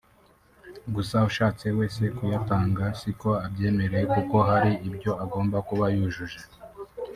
gusa ushatse wese kuyatanga si ko abyemererwa kuko hari ibyo agomba kuba yujuje